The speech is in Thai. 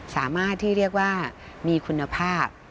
สามารถที่เรียกว่ามีคุณภาพ